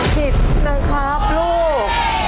ผิดนะครับลูก